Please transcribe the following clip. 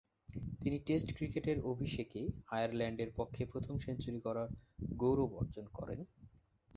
তিনি test cricket অভিষেকে আয়ারল্যান্ডের পক্ষে প্রথম সেঞ্চুরি করার গৌরব অর্জন করেন।